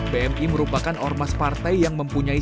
bmi merupakan ormas partai yang mempunyai